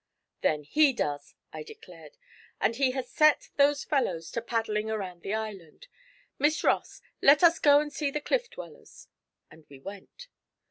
'Then he does!' I declared, 'and he has set those fellows to paddling around the island. Miss Ross, let us go and see the cliff dwellers,' and we went.